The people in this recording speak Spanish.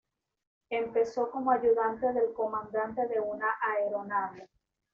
Empezó como ayudante del comandante de una aeronave.